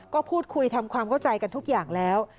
ก็พูดคุยทำความเข้าใจกันทุกอย่างแล้ว